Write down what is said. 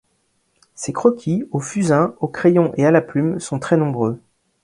Ses croquis, au fusain, au crayon et à la plume, sont très nombreux.